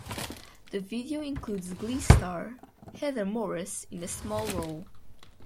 The video includes "Glee" star Heather Morris in a small role.